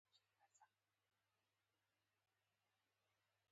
د بکټریايي حجرو مهم ساختمانونه یاد شوي دي.